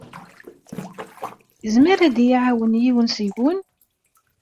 Yezmer ad iyi-iɛawen yiwen seg-wen?